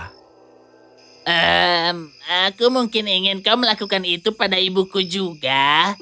hmm aku mungkin ingin kau melakukan itu pada ibuku juga